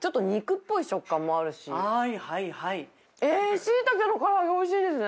┐Аシイタケの唐揚げおいしいですね。